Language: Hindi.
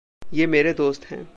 ये मेरे दोस्त हैं।